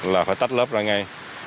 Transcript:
là phải tách lớp ra ngay